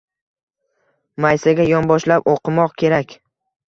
Maysaga yonboshlab o’qimoq kerak: